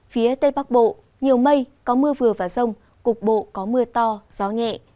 phía tây bắc bộ nhiều mây có mưa vừa và rông cục bộ có mưa to gió nhẹ